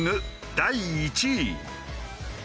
第１位。